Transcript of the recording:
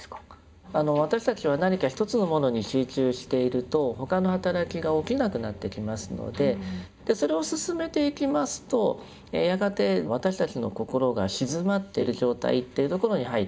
私たちは何か一つのものに集中していると他の働きが起きなくなってきますのでそれを進めていきますとやがて私たちの心が静まってる状態っていうところに入っていきます。